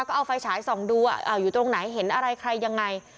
ก็เอาไฟฉายส่องดูว่าอยู่ตรงไหนเห็นอะไรใครยังไง